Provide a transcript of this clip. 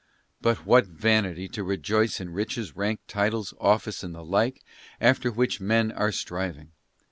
But what vanity to rejoice in riches, rank, titles, office, and the like, after which men are striving!